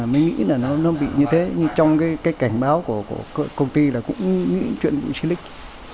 mình nghĩ nó bị như thế trong cảnh báo của công ty cũng nghĩ chuyện xí lịch